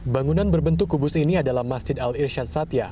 bangunan berbentuk kubus ini adalah masjid al irshad satya